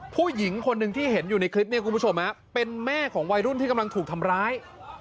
ผู้หญิงคนหนึ่งที่เห็นอยู่ในคลิปนี้คุณผู้ชมเป็นแม่ของวัยรุ่นที่กำลังถูกทำร้าย